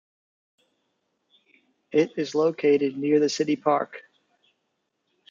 It is located near the City Park.